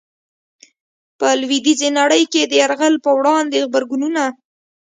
په لويديځي نړۍ کي د يرغل په وړاندي غبرګونونه